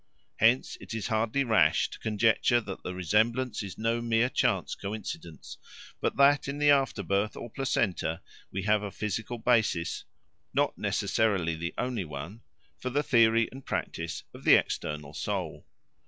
Hence it is hardly rash to conjecture that the resemblance is no mere chance coincidence, but that in the afterbirth or placenta we have a physical basis (not necessarily the only one) for the theory and practice of the external soul.